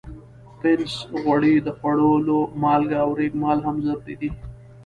پنس، غوړي، د خوړلو مالګه او ریګ مال هم ضروري دي.